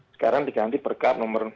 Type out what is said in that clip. sekarang diganti perkap nomor empat belas